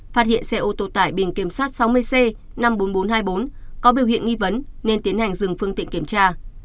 phát hiện xe ô tô tải biển kiểm soát sáu mươi c năm mươi bốn nghìn bốn trăm hai mươi bốn có biểu hiện nghi vấn nên tiến hành dừng phương tiện kiểm tra